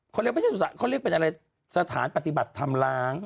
เขาเรียกเป็นอะไรสถานปฏิบัติธรรมล้าง